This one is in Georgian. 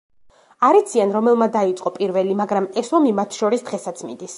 არ იციან რომელმა დაიწყო პირველი, მაგრამ ეს ომი მათ შორის დღესაც მიდის.